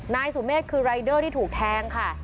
นายสุเมฆคือรายเดอร์ที่ถูกแทงค่ะ